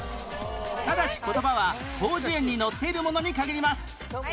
ただし言葉は『広辞苑』に載っているものに限ります